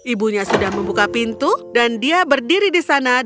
ibunya sudah membuka pintu dan dia berdiri di sana dengan keadaan yang sama